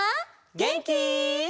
げんき？